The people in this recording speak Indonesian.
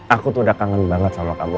aku tuh udah kangen banget sama kamu